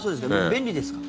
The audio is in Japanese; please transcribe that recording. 便利です。